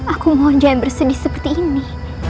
aku mohon jangan bersedih seperti ini